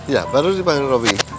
ya baru dipanggil robby